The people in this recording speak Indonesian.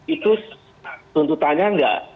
itu tuntutannya nggak